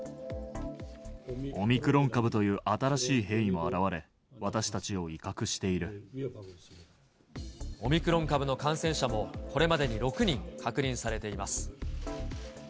オミクロン株という新しい変オミクロン株の感染者もこれまでに６人確認されています。